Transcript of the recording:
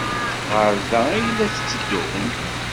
Ɣer da ay la d-tteddun?